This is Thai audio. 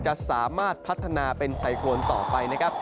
จะสามารถพัฒนาเป็นไซโคนต่อไปนะครับ